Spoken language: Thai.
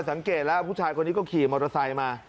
สังเกตแล้วผู้ชายคนนี้ก็ขี่มอเตอร์ไซค์มา